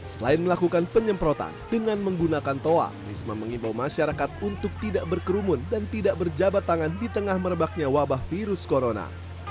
selain melakukan penyemprotan dengan menggunakan toa risma mengimbau masyarakat untuk tidak berkerumun dan tidak berjabat tangan di tengah merebaknya wabah virus corona